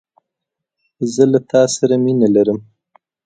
زه له تا سره مینه لرم